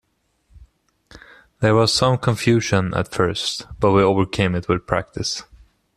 There was some confusion at first but we overcame it with practice.